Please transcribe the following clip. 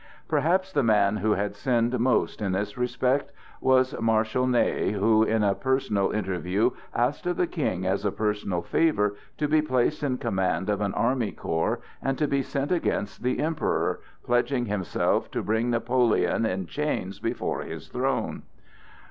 Perhaps the man who had sinned most in this respect was Marshal Ney, who in a personal interview asked of the King as a personal favor to be placed in command of an army corps and to be sent against the Emperor, pledging himself to bring Napoleon in chains before his throne.